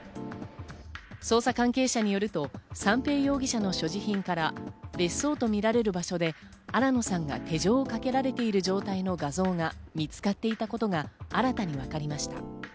捜査関係者によると三瓶容疑者の所持品から別荘と見られる場所で新野さんが手錠をかけられている状態の画像が見つかっていたことが新たに分かりました。